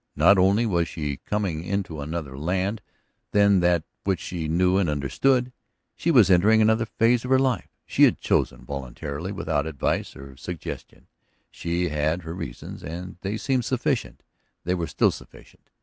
Not only was she coming into another land than that which she knew and understood, she was entering another phase of her life. She had chosen voluntarily, without advice or suggestion; she had had her reasons and they had seemed sufficient; they were still sufficient.